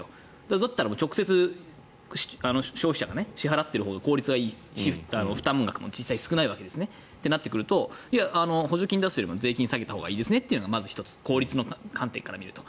だったら、直接消費者が支払っているほうが効率がいいし負担額も実際少ないんですね。となってくると補助金を出すよりも税金を下げたほうがいいですねというのがまず１つ効率の観点から見ると。